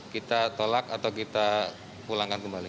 kita tolak atau kita pulangkan kembali